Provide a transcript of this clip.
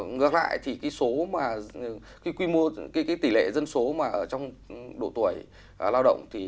ngược lại tỷ lệ dân số trong độ tuổi lao động